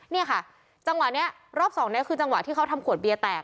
แล้วค่ะจังหวะนี้รอบ๒ที่เค้าทำขวดเบียแตก